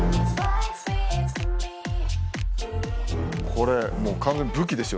これもう完全武器ですよね。